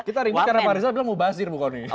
kita ribut karena pak rizal bilang mau basir bukannya